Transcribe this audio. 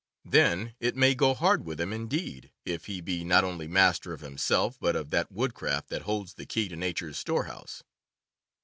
Then it may go hard with him indeed if he be not only master of himself, but of that woodcraft that holds the key to nature's storehouse.